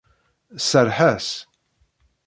Serreḥ-as.